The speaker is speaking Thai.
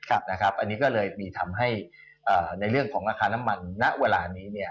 อันนี้ก็เลยมีทำให้ในเรื่องของราคาน้ำมันณเวลานี้